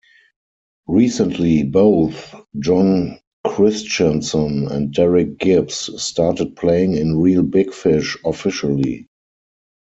Recently both John Christianson and Derek Gibbs started playing in Reel Big Fish officially.